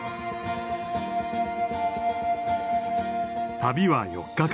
旅は４日間。